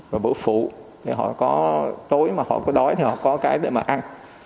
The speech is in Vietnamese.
và bữa phụ thì họ có tối mà họ có đói thì họ có cái để mà ăn